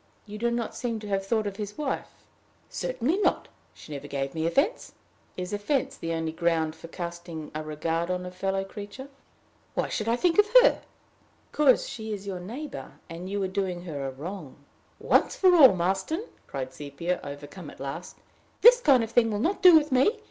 "You do not seem to have thought of his wife!" "Certainly not. She never gave me offense." "Is offense the only ground for casting a regard on a fellow creature?" "Why should I think of her?" "Because she was your neighbor, and you were doing her a wrong." "Once for all, Marston," cried Sepia, overcome at last, "this kind of thing will not do with me.